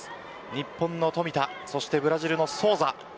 日本の冨田そしてブラジルのソウザ。